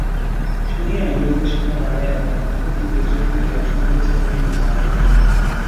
শুনিয়াই ললিতা সেখানে দাঁড়াইয়া তাঁহার মুখের দিকে চোখ তুলিয়া অসংকোচে কহিল, জানি।